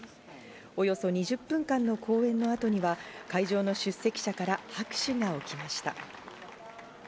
およそ２０分間の講演の後には会場の出席者から拍手が起きました。